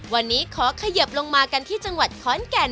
วันนี้ขอเขยิบลงมากันที่จังหวัดขอนแก่น